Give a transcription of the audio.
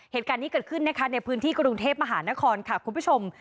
เหตุการณ์นี้เกิดขึ้นนะคะในพื้นที่กรุงเทพมหานครค่ะคุณผู้ชม